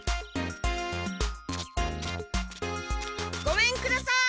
ごめんください。